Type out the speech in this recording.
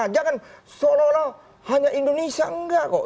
jangan seolah olah hanya indonesia enggak kok